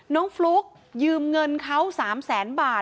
ฟลุ๊กยืมเงินเขา๓แสนบาท